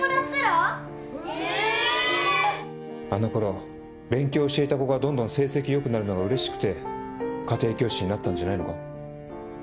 あの頃勉強教えた子がどんどん成績良くなるのがうれしくて家庭教師になったんじゃないのか？